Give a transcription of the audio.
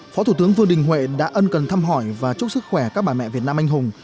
phó thủ tướng vương đình huệ đã ân cần thăm hỏi và chúc sức khỏe các bà mẹ việt nam anh hùng